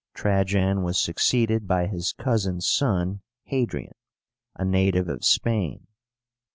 Trajan was succeeded by his cousin's son, HADRIAN, a native of Spain.